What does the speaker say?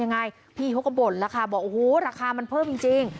ยังไงพี่เขาก็บ่นแล้วค่ะบอกโอ้โหราคามันเพิ่มจริง